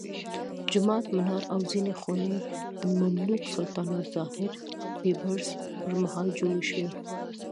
جومات، منار او ځینې خونې د مملوک سلطان الظاهر بیبرس پرمهال جوړې شوې.